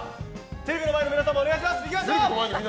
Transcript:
テレビの前の皆さんもお願いします！